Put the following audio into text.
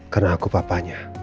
karena aku papanya